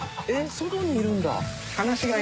外にいるんだ。